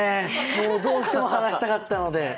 どうしても話したかったので。